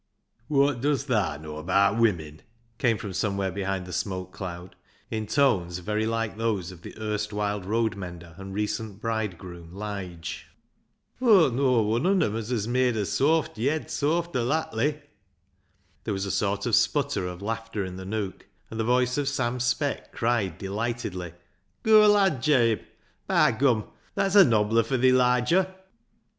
" Wot does thaa know abaat women ?" came from somewhere behind the smoke cloud, in tones very like those of the erstwhile road mender and recent bridegroom, Lige. 207 2o8 BECKSIDE LIGHTS " Aw know wun on 'em as hez made a sawft yed sawfter lattly." There was a sort of sputter of laughter in the nook, and the voice of Sam Speck cried deh'ghtedly —" Goo' lad, Jabe ! By gum — that's a nobbier fur thee, Liger